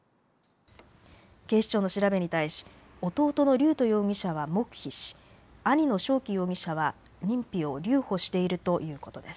警視庁の調べに対し弟の龍斗容疑者は黙秘し兄の翔輝容疑者は認否を留保しているということです。